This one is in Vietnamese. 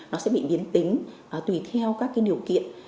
nó sẽ bị biến tính tùy theo các điều kiện